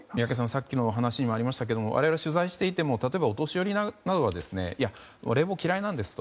さっきのお話にもありましたけど我々が取材していても例えばお年寄りなどは冷房嫌いなんです。